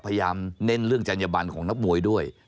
เน้นเรื่องจัญญบันของนักมวยด้วย